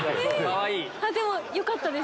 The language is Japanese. でもよかったです。